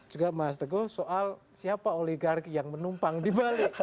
juga mas teguh soal siapa oligarki yang menumpang di balik